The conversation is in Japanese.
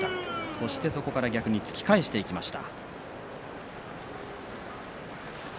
そして、そこから逆に突き返していきました。